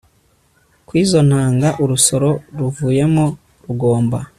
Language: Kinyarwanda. kw'izo ntanga, urusoro ruvuyemo rugomba